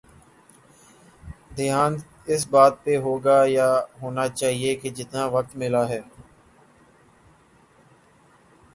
دھیان اس بات پہ ہو گا یا ہونا چاہیے کہ جتنا وقت ملا ہے۔